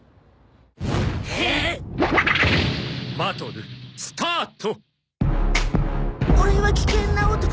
「バトルスタート！」